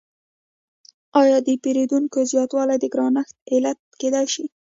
آیا د پیرودونکو زیاتوالی د ګرانښت علت کیدای شي؟